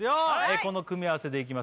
この組み合わせでいきます